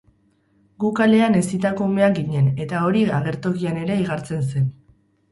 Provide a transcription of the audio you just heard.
Gu kalean hezitako umeak ginen, eta hori agertokian ere igartzen zen.